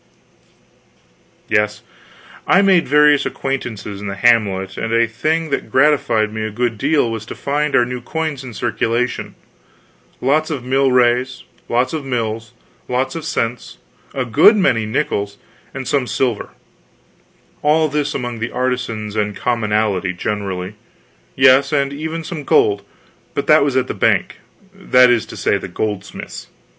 Yes, I made various acquaintances in the hamlet and a thing that gratified me a good deal was to find our new coins in circulation lots of milrays, lots of mills, lots of cents, a good many nickels, and some silver; all this among the artisans and commonalty generally; yes, and even some gold but that was at the bank, that is to say, the goldsmith's.